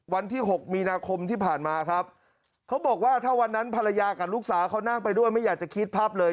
วันที่๖มีนาคมที่ผ่านมาครับเขาบอกว่าถ้าวันนั้นภรรยากับลูกสาวเขานั่งไปด้วยไม่อยากจะคิดภาพเลย